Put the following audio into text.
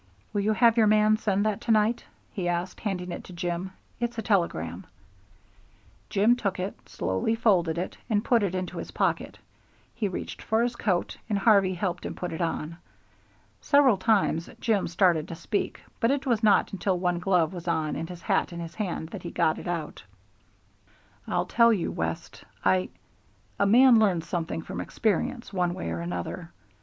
"Will you have your man send that tonight?" he asked, handing it to Jim. "It's a telegram." Jim took it, slowly folded it, and put it into his pocket. He reached for his coat, and Harvey helped him put it on. Several times Jim started to speak, but it was not until one glove was on and his hat in his hand that he got it out: "I'll tell you, West, I A man learns something from experience, one way or another.